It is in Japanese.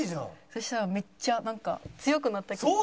そしたらめっちゃなんか強くなった気分。